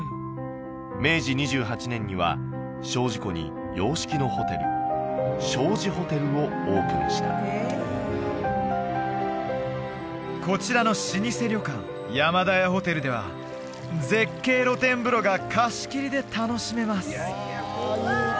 明治２８年には精進湖に洋式のホテル精進ホテルをオープンしたこちらの老舗旅館山田屋ホテルでは絶景露天風呂が貸し切りで楽しめます